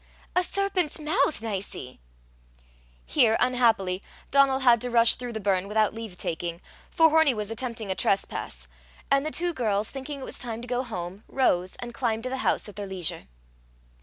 a serpent's mouth, Nicie!" Here, unhappily, Donal had to rush through the burn without leave taking, for Hornie was attempting a trespass; and the two girls, thinking it was time to go home, rose, and climbed to the house at their leisure.